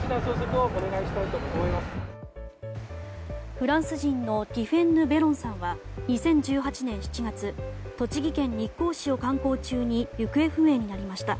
フランス人のティフェンヌ・ベロンさんは２０１８年７月栃木県日光市を観光中に行方不明になりました。